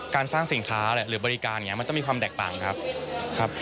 การสร้างสินค้าหรือบริการมันต้องมีความแตกต่างครับ